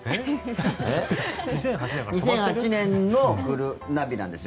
２００８年のナビなんですよ。